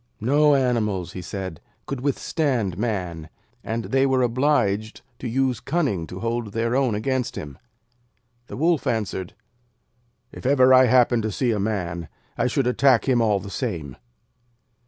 'No animals,' he said, 'could withstand man, and they were obliged to use cunning to hold their own against him.' The Wolf answered, 'If ever I happened to see a man, I should attack him all the same.'